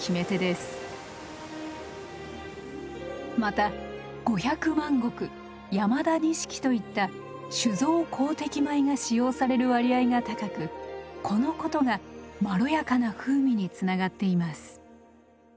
また五百万石山田錦といった酒造好適米が使用される割合が高くこのことがまろやかな風味につながっています。